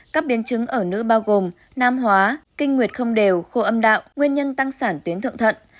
các biến chứng ở nữ bao gồm nam hóa kinh nguyệt không đều khô âm đạo nguyên nhân tăng sản tuyến thượng thận